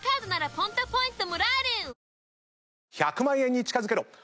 １００万円に近づけろ！